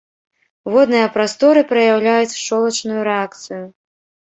Водныя растворы праяўляюць шчолачную рэакцыю.